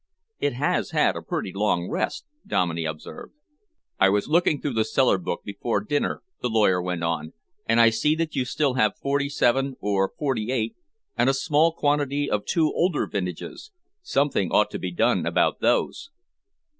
"It has had a pretty long rest," Dominey observed. "I was looking through the cellar book before dinner," the lawyer went on, "and I see that you still have forty seven and forty eight, and a small quantity of two older vintages. Something ought to be done about those."